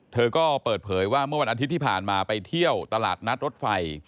เธอก็เปิดเผยว่าเมื่อวันอาทิตย์ที่ผ่านมาไปเที่ยวตลาดนัดรถไฟ